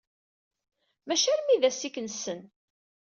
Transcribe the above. Maci armi d ass-a ay k-nessen.